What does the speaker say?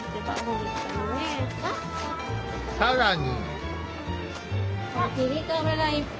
更に。